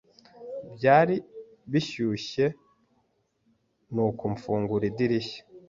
Byari bishyushye, nuko mfungura idirishya.